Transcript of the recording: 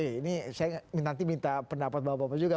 ini saya nanti minta pendapat bapak bapak juga